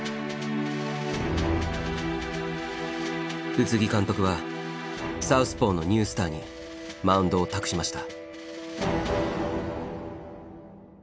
宇津木監督はサウスポーのニュースターにマウンドを託しました。